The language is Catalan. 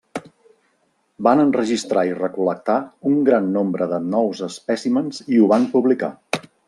Van enregistrar i recol·lectar un gran nombre de nous espècimens i ho van publicar.